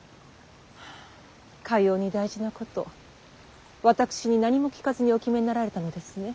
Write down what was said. かように大事なこと私に何も聞かずにお決めになられたのですね。